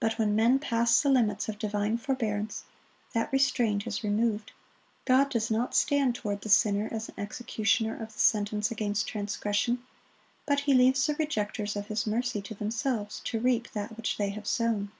But when men pass the limits of divine forbearance, that restraint is removed. God does not stand toward the sinner as an executioner of the sentence against transgression; but He leaves the rejecters of His mercy to themselves, to reap that which they have sown.